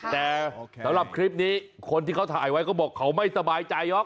แต่สำหรับคลิปนี้คนที่เขาถ่ายไว้ก็บอกเขาไม่สบายใจหรอก